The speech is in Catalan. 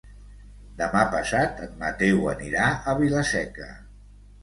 Demà passat en Mateu anirà a Vila-seca.